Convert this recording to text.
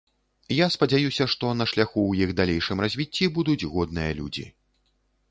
Я спадзяюся, што на шляху ў іх далейшым развіцці будуць годныя людзі.